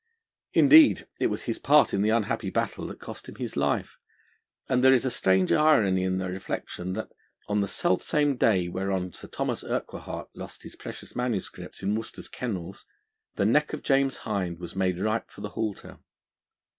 Indeed, it was his part in the unhappy battle that cost him his life, and there is a strange irony in the reflection that, on the self same day whereon Sir Thomas Urquhart lost his precious manuscripts in Worcester's kennels, the neck of James Hind was made ripe for the halter.